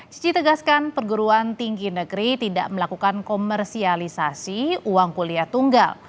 cici tegaskan perguruan tinggi negeri tidak melakukan komersialisasi uang kuliah tunggal